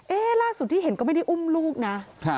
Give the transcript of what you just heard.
ล่าสุดที่เห็นก็ไม่ได้อุ้มลูกนะ